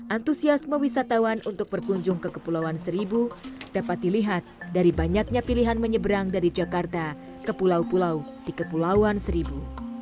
antusiasme wisatawan untuk berkunjung ke kepulauan seribu dapat dilihat dari banyaknya pilihan menyeberang dari jakarta ke pulau pulau di kepulauan seribu